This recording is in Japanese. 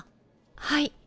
はい。